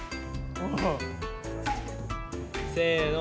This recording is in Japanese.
せの。